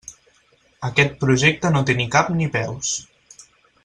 Aquest projecte no té ni cap ni peus.